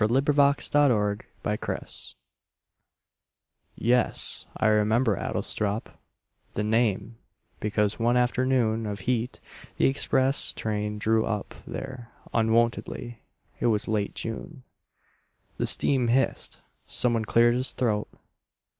Edward Thomas Adlestrop YES, I remember Adlestrop The name because one afternoon Of heat the express train drew up there Unwontedly. It was late June. The steam hissed. Someone cleared his throat.